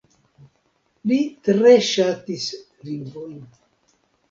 Li tre ŝatis lingvojn.